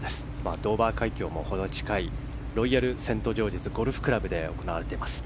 ドーバー海峡も程近いロイヤルセントジョージズゴルフクラブで行われています。